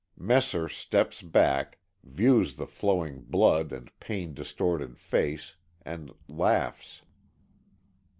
Messer steps back, views the flowing blood and pain distorted face and laughs.